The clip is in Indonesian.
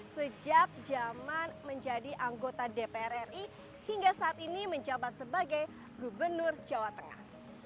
sejak zaman menjadi anggota dpr ri hingga saat ini menjabat sebagai gubernur jawa tengah